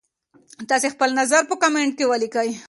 تاسي خپل نظر په کمنټ کي ولیکئ.